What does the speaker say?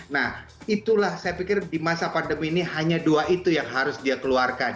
nah itulah saya pikir di masa pandemi ini hanya dua itu yang harus dia keluarkan